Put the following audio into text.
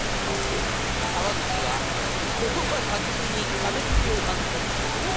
川口は言葉巧みに家電量販店を籠絡。